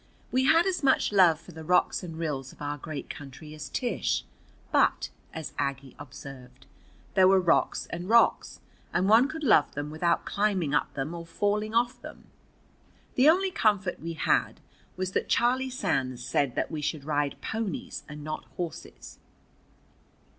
We had as much love for the rocks and rills of our great country as Tish, but, as Aggie observed, there were rocks and rocks, and one could love them without climbing up them or falling off them. The only comfort we had was that Charlie Sands said that we should ride ponies, and not horses.